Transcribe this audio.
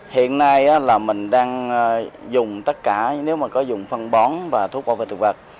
hiện nay là mình đang dùng tất cả nếu mà có dùng phân bón và thuốc bảo vệ thực vật